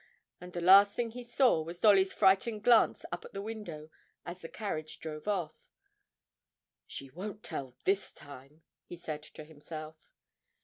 And the last thing he saw was Dolly's frightened glance up at the window as the carriage drove off. 'She won't tell this time,' he said to himself.